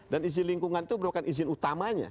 dan izin lingkungan itu merupakan izin utamanya